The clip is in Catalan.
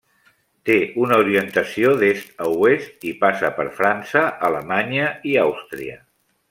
Té una orientació d'est a oest i passa per França, Alemanya i Àustria.